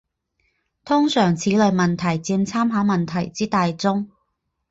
通常此类问题占参考问题之大宗。